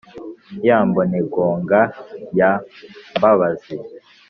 ya mboningoga ya mbabazi